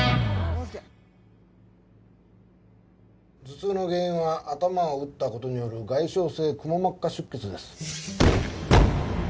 頭痛の原因は頭を打った事による外傷性くも膜下出血です。